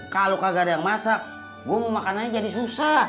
kalau nggak ada yang masak gua mau makan aja jadi susah